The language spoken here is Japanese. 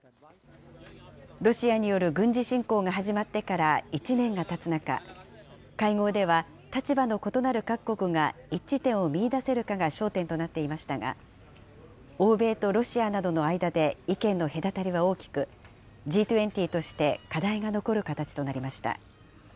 ロシアによる軍事侵攻が始まってから１年がたつ中、会合では、立場の異なる各国が、一致点を見いだせるかが焦点となっていましたが、欧米とロシアとの間で意見の隔たりは大きく、Ｇ２０として課題が残る形となりました。